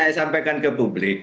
jadi ini saya sampaikan ke publik ya